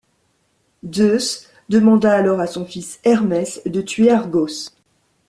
Zeus demanda alors à son fils Hermès de tuer Argos.